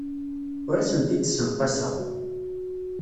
Ur asent-d-ssenqaseɣ.